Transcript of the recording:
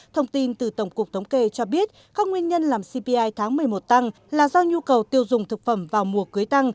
thông tin từ tổng cục thống kê cho biết các nguyên nhân làm cpi tháng một mươi một tăng là do nhu cầu tiêu dùng thực phẩm vào mùa cưới tăng